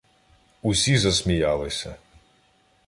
Усі засміялися.